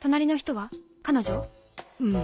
うん。